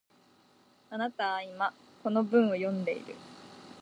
あなたは今、この文を読んでいる